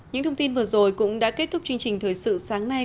những thông tin vừa rồi cũng đã kết thúc chương trình thời sự sáng nay